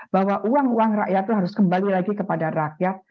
bahwa uang uang rakyat itu harus kembali lagi kepada rakyat